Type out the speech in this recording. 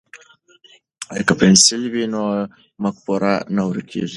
که پنسل وي نو مفکوره نه ورکیږي.